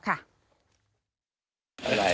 อะไร